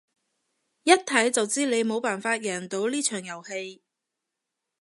一睇就知你冇辦法贏到呢場遊戲